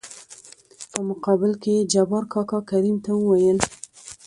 په مقابل کې يې جبار کاکا کريم ته وويل :